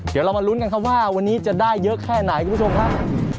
เดี๋ยวเรามาลุ้นกันครับว่าวันนี้จะได้เยอะแค่ไหนคุณผู้ชมครับ